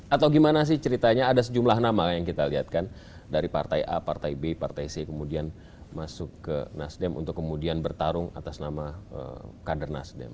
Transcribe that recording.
atau gimana sih ceritanya ada sejumlah nama yang kita lihatkan dari partai a partai b partai c kemudian masuk ke nasdem untuk kemudian bertarung atas nama kader nasdem